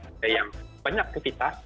ada yang banyak kepitas